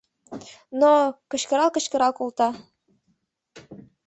— Но-о! — кычкырал-кычкырал колта.